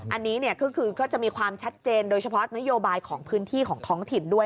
อันนี้คือก็จะมีความชัดเจนโดยเฉพาะนโยบายของพื้นที่ของท้องถิ่นด้วย